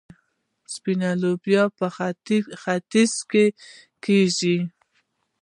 سپینه لوبیا په ختیځ کې کیږي.